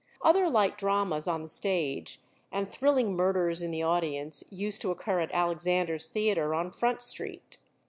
Other light dramas on the stage, and thrilling murders in the audience, used to occur at Alexander's Theater, on Front street.